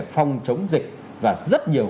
phòng chống dịch và rất nhiều